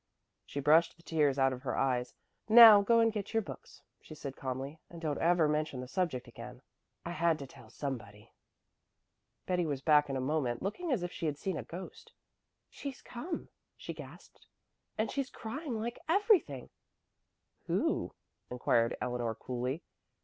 She brushed the tears out of her eyes. "Now go and get your books," she said calmly, "and don't ever mention the subject again. I had to tell somebody." Betty was back in a moment, looking as if she had seen a ghost. "She's come," she gasped, "and she's crying like everything." "Who?" inquired Eleanor coolly.